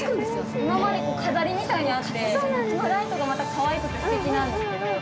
今まで飾りみたいにあってこのライトがまたかわいくてすてきなんですけど。